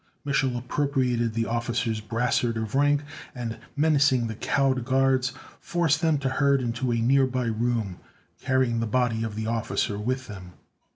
Mich'l appropriated the officer's brassard of rank, and, menacing the cowed guards, forced them to herd into a nearby room, carrying the body of the officer with them.